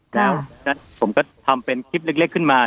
แล้วผมก็ทำเป็นคลิปเล็กขึ้นมา